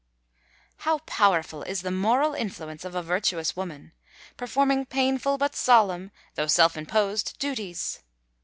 How powerful is the moral influence of a virtuous woman, performing painful but solemn, though self imposed duties!